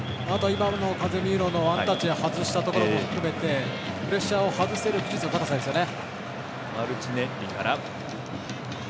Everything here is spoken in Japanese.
カゼミーロのワンタッチで外したところを含めてプレッシャーを外せる技術の高さですね。